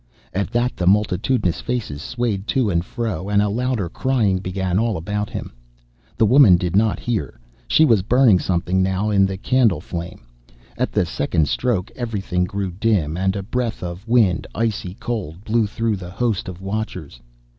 At that the multitudinous faces swayed to and fro, and a louder crying began all about him. The woman did not hear; she was burning something now in the candle flame. At the second stroke everything grew dim, and a breath of wind, icy cold, blew through the host of watchers.